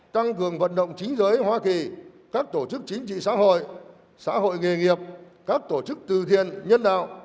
tăng cường vận động chính giới hoa kỳ các tổ chức chính trị xã hội xã hội nghề nghiệp các tổ chức từ thiện nhân đạo